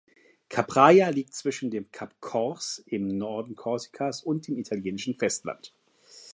Capraia liegt zwischen dem Cap Corse im Norden Korsikas und dem italienischen Festland.